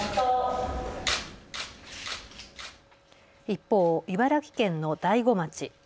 一方、茨城県の大子町。